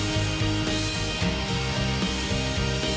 เดี๋ยวก็ลาไปนะคะ